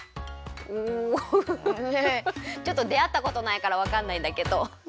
うんウフフフちょっとであったことないからわかんないんだけど。